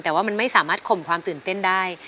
แต่ว่ามันไม่สามารถข่มความตื่นเต้นได้